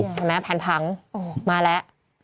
เห็นไหมแผนพังมาแล้ว